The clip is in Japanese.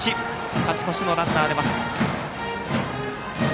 勝ち越しのランナーが出ました。